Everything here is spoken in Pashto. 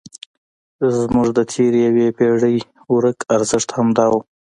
زموږ د تېرې یوې پېړۍ ورک ارزښت همدا و.